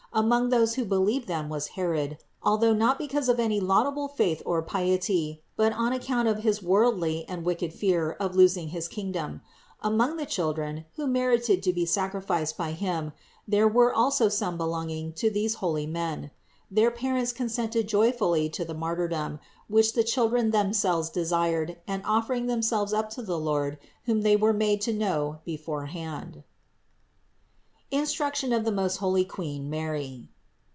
Among those who believed them was Herod, although not because of any laudable faith or piety, but on account of his worldly and wicked fear of losing his kingdom. Among the children, who merited to be sacri ficed by him, there were also some belonging to these holy men. Their parents consented joyfully to the martyr dom, which the children themselves desired and offering themselves up to the Lord, whom they were made to know beforehand. INSTRUCTION OF THE MOST HOLY QUEEN MARY.